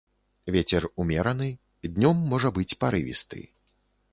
Вецер умераны, днём можа быць парывісты.